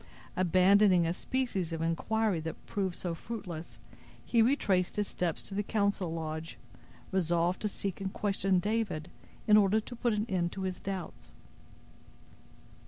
Abandoning a species of inquiry that proved so fruitless, he retraced his steps to the council lodge, resolved to seek and question David, in order to put an end to his doubts.